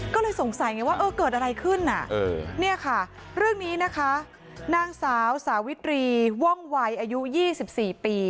ก็เลยสงสัยไงว่าเออเกิดอะไรขึ้นน่ะเนี่ยค่ะเรื่องนี้นะคะนางสาวสาวิตรีว่องวัยอายุ๒๔ปี